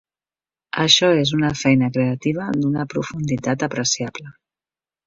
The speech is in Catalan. Això és una feina creativa d'una profunditat apreciable.